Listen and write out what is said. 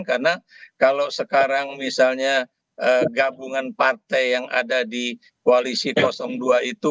karena kalau sekarang misalnya gabungan partai yang ada di koalisi dua itu